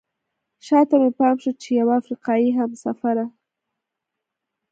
شاته مې پام شو چې یوه افریقایي همسفره.